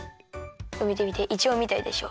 みてみてイチョウみたいでしょ。